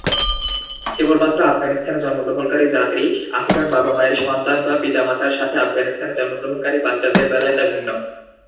কেবলমাত্র আফগানিস্তানে জন্মগ্রহণকারী যাত্রী, আফগান বাবা-মায়ের সন্তান বা পিতামাতার সাথে আফগানিস্তানে জন্মগ্রহণকারী বাচ্চাদের বেলায় তা ভিন্ন।